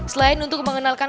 selain untuk mengenalkan